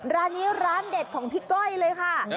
ร้านนี้ร้านเด็ดของพี่ก้อยเลยค่ะ